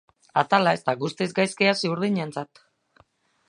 Atala ez da guztiz gaizki hasi urdinentzat.